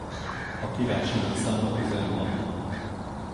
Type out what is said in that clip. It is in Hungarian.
A királysírok száma tizenhat.